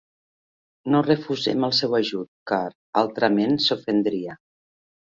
No refusem el seu ajut, car, altrament, s'ofendria.